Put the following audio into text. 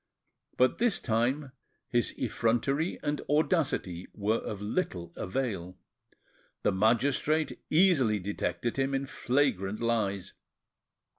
But this time his effrontery and audacity were of little avail, the magistrate easily detected him in flagrant lies.